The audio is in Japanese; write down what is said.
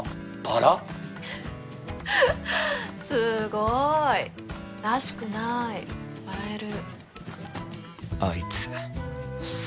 すごいらしくない笑える